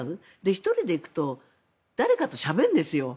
１人で行くと誰かとしゃべるんですよ。